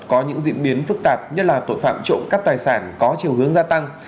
có những diễn biến phức tạp nhất là tội phạm trộm cắp tài sản có chiều hướng gia tăng